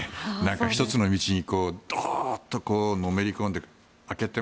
１つの道にドッとのめり込んでいく。